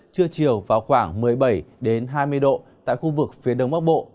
trưa chiều vào khoảng một mươi bảy hai mươi độ tại khu vực phía đông bắc bộ